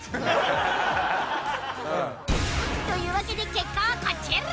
というわけで結果はこちら！